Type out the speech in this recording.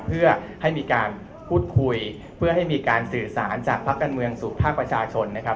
เพื่อให้มีการพูดคุยเพื่อให้มีการสื่อสารจากภาคการเมืองสู่ภาคประชาชนนะครับ